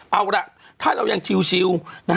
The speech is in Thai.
เอาละถ้าเรายังชิว